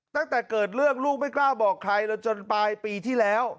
ตั้งแต่เกิดเรื่องลูกไม่กล้าบอกใครเลยจนปลายปีที่แล้ว